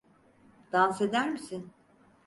Dans eder misin?